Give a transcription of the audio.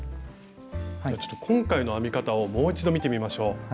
ちょっと今回の編み方をもう一度見てみましょう。